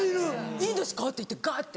「いいんですか？」って言ってガって。